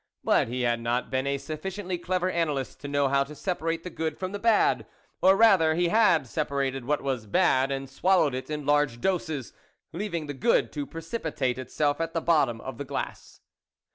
But he had not been a sufficiently clever analyst to know how to separate the good from the bad, or rather he had separated what was bad, and swallowed it in large doses, leaving the good to precipitate itself at the bottom of the glass.